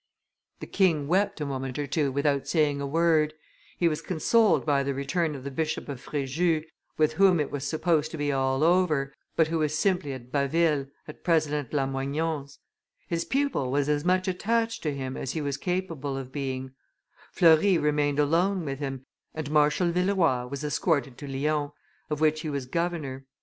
The king wept a moment or two without saying a word; he was consoled by the return of the Bishop of Frejus, with whom it was supposed to be all over, but who was simply at Baville, at President Lamoignon's; his pupil was as much attached to him as he was capable of being; Fleury remained alone with him, and Marshal Villeroy was escorted to Lyons, of which he was governor.